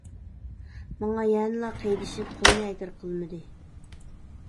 ماڭا يەنىلا قېيىدىشىپ قولىنى ئەگرى قىلمىدى.